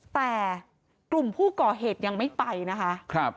แต่กลุ่มผู้ก่อเหตุยังไม่ไปนะคะ